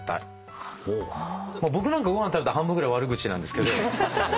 僕なんかご飯食べたら半分ぐらい悪口なんですけど。